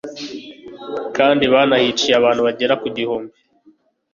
kandi banahiciye abantu bagera ku gihumbi